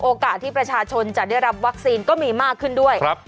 ที่ประชาชนจะได้รับวัคซีนก็มีมากขึ้นด้วย